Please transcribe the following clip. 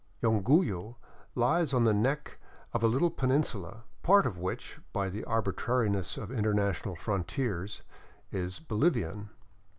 Yunguyo lies on the neck of a little peninsula, part of which, by the arbitrariness of interna tional frontiers, is Bolivian.